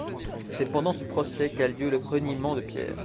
C'est pendant ce procès qu'a lieu le reniement de Pierre.